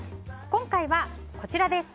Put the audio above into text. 今回は、こちらです。